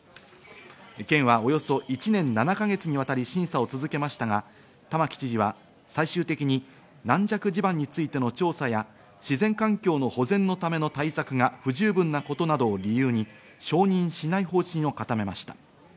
県はおよそ１年７か月にわたり審査を続けましたが、玉城知事は最終的に軟弱地盤についての調査や自然環境の保全のための対策が不十分なことなどを理由に承認しない方針を固めました。